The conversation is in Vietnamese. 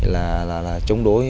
là chống đối